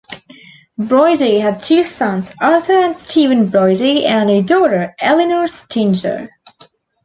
Broidy had two sons, Arthur and Steven Broidy, and a daughter, Eleanor Sattinger.